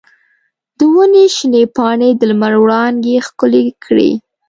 د ونې شنې پاڼې د لمر وړانګې ښکلې کړې.